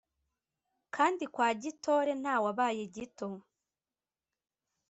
kandi kwa gitore ntawabaye gito